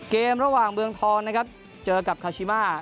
เกมระหว่างเมืองทองนะครับเจอกับคาชิมา